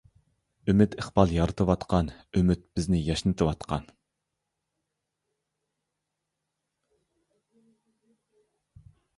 ئۈمىد ئىقبال يارىتىۋاتقان، ئۈمىد بىزنى ياشنىتىۋاتقان.